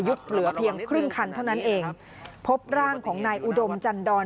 เหลือเพียงครึ่งคันเท่านั้นเองพบร่างของนายอุดมจันดร